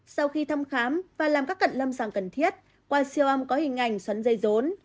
sau khi thăm khám và làm các cận lâm sàng cần thiết qua siêu âm có hình ảnh xoắn dây rốn